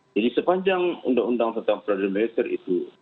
jadi sepanjang undang undang tentang pradana militer itu